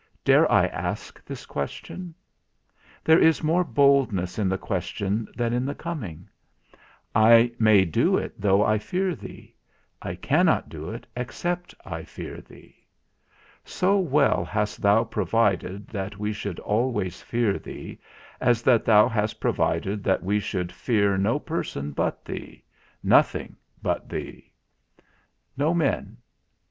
Dare I ask this question? There is more boldness in the question than in the coming; I may do it though I fear thee; I cannot do it except I fear thee. So well hast thou provided that we should always fear thee, as that thou hast provided that we should fear no person but thee, nothing but thee; no men?